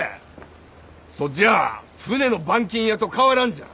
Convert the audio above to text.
そっじゃ船の板金屋と変わらんじゃん。